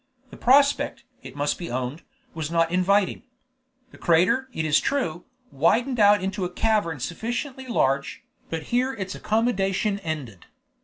The prospect, it must be owned, was not inviting. The crater, it is true, widened out into a cavern sufficiently large, but here its accommodation ended.